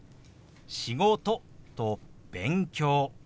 「仕事」と「勉強」。